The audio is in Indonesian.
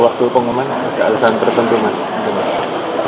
waktu pengumuman ada alasan tertentu mas